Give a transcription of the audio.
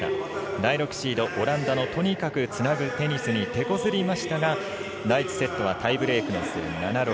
第６シード、オランダのとにかくつなぐテニスにてこずりましたが第１セットはタイブレークの末７−６。